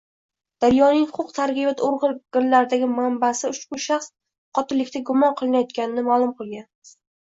“Daryo”ning huquq-tartibot organlaridagi manbasi ushbu shaxs qotillikda gumon qilinayotganini ma’lum qilgan